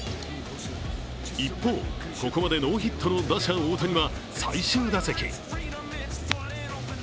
一方、ここまでノーヒットの打者・大谷は最終打席。